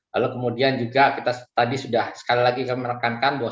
lalu kemudian juga kita tadi sudah sekali lagi menekankan bahwa